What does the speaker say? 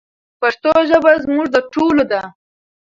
پښتو ژبه زموږ د ټولو ده.